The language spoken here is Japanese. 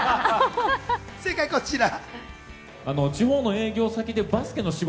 正解はこちら。